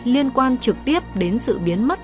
liên quan trực tiếp đến sự biến mất